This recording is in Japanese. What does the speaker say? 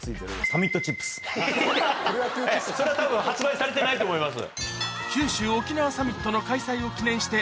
それはたぶん発売されてないと思います。